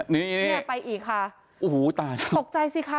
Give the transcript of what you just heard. นี่นี่ไปอีกค่ะโอ้โหตายตกใจสิคะ